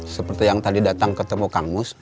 seperti yang tadi datang ketemu kang mus